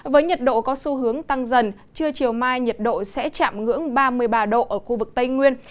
với nhiệt độ có xu hướng tăng dần trưa chiều mai nhiệt độ sẽ chạm ngưỡng ba mươi ba độ ở khu vực tây nguyên